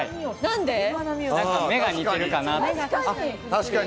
何か目が似てるかなって。